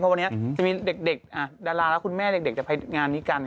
วันนี้จะมีเด็กดาราและคุณแม่เด็กจะไปงานนี้กัน